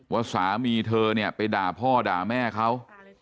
ว่าสามีเธอเนี่ยไปด่าพ่อด่าแม่เขา